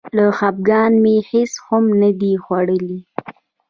له خپګانه مې هېڅ هم نه دي خوړلي.